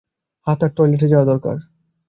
হ্যাঁ, তার টয়লেটে যাওয়ার দরকার।